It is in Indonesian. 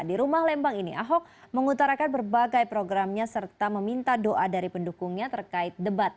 di rumah lembang ini ahok mengutarakan berbagai programnya serta meminta doa dari pendukungnya terkait debat